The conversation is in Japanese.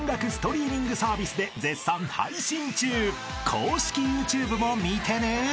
［公式ＹｏｕＴｕｂｅも見てね！］